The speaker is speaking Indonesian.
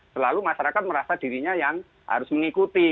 selalu masyarakat merasa dirinya yang harus mengikuti